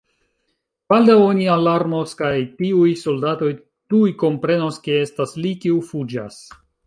Baldaŭ oni alarmos kaj tiuj soldatoj tuj komprenos, ke estas li, kiu fuĝas.